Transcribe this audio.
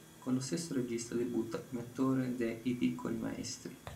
Con lo stesso regista debutta come attore ne "I Piccoli Maestri".